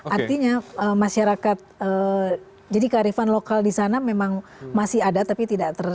artinya masyarakat jadi kearifan lokal di sana memang masih ada tapi tidak terlalu